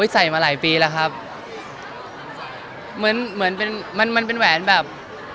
สายมาหลายปีครับเหมือนเป็นแหวนแหวนแบบ